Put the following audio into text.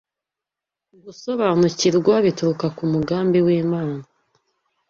gusobanukirwa bituruka ku mugambi w’Imana